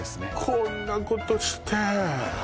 こんなことして！